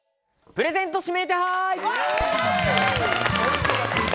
プレゼント指名手配！